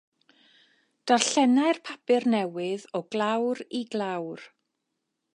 Darllenai'r papur newydd o glawr i glawr.